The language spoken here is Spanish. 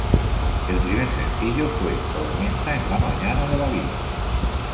El primer sencillo fue "Tormenta en la mañana de la vida".